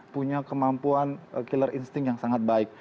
punya kemampuan killer insting yang sangat baik